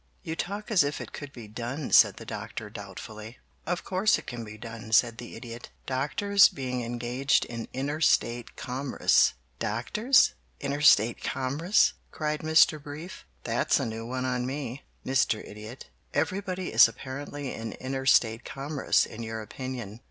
"You talk as if it could be done," said the Doctor doubtfully. "Of course it can be done," said the Idiot. "Doctors being engaged in Inter State Commerce " "Doctors? Interstate Commerce?" cried Mr. Brief. "That's a new one on me, Mr. Idiot. Everybody is apparently in Interstate Commerce in your opinion.